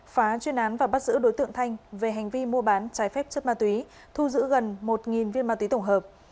phá chuyên án và bắt giữ đối tượng thanh về hành vi mua bán trái phép chất ma túy thu giữ gần một viên ma túy tổng hợp